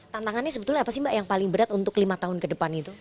tantangannya sebetulnya apa sih mbak yang paling berat untuk lima tahun ke depan itu